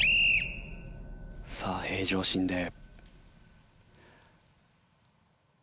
さあ平常心で。